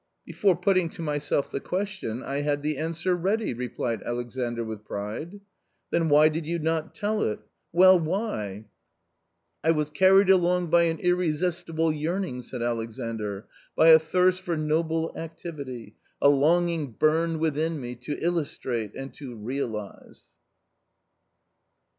" Before putting to myself the question, I had the answer ready," replied Alexandr with pride. " Then why did you not tell it ? Well, why ?"" I was carried along by an irresistible yearning, by a thirst for noble activity ; a longing burned within me to illustrate and to realise